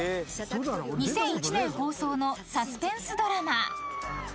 ［２００１年放送のサスペンスドラマ］